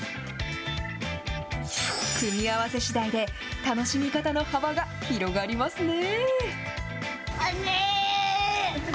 組み合わせしだいで、楽しみ方の幅が広がりますね。